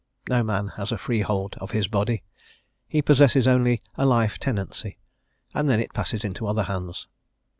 No man has a freehold of his body; he possesses only a life tenancy, and then it passes into other hands.